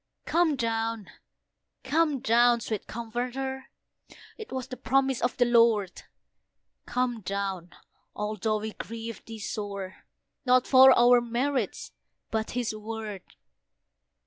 Come down! come down! sweet Comforter! It was the promise of the Lord. Come down! although we grieve Thee sore, Not for our merits but His Word.